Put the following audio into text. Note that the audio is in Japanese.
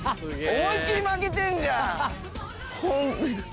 思いっ切り負けてんじゃん。